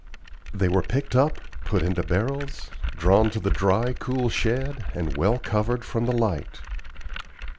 They were picked up, put into barrels, drawn to the dry, cool shed, and well covered from the light.